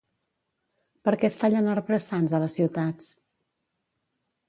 Per qué es tallen arbres sans a les ciutats?